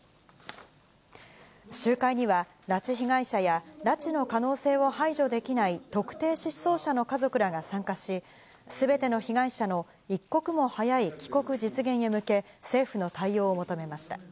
集会には、拉致被害者や、拉致の可能性を排除できない特定失踪者の家族らが参加し、すべての被害者の一刻も早い帰国実現へ向け、政府の対応を求めました。